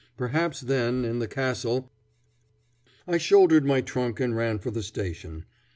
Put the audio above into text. Perhaps then, in the castle...I shouldered my trunk and ran for the station.